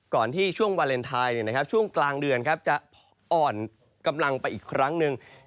ช่วงที่ช่วงวาเลนไทยช่วงกลางเดือนจะอ่อนกำลังไปอีกครั้งหนึ่ง